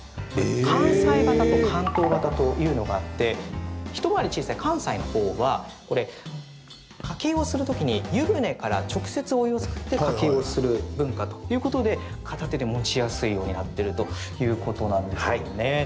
関西型と関東型というのがあって一回り小さい関西の方はこれ、かけ湯をする時に湯船から直接お湯をすくってかけ湯をする文化ということで片手で持ちやすいようになっているということなんですね。